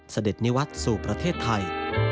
เสด็จนิวัตรสู่ประเทศไทย